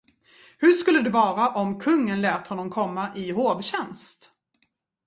Hur skulle det vara, om kungen lät honom komma i hovtjänst?